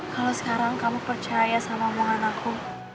kalau sekarang kamu percaya sama omongan aku